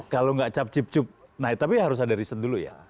kalau nggak cap cip cup nah tapi harus ada riset dulu ya